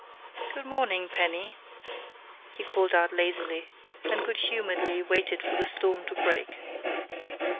"Good morning, Penny," he called out lazily, and good humoredly waited for the storm to break.